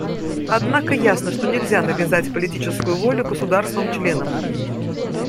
Однако ясно, что нельзя навязать политическую волю государствам-членам.